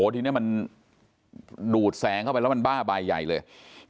ทีนี้มันดูดแสงเข้าไปแล้วมันบ้าใบใหญ่เลย